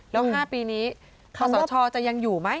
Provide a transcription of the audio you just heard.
แล้ว๕ปีนี้ขอสชจะยังอยู่ไหม